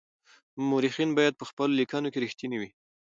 مورخین باید په خپلو لیکنو کي رښتیني وي.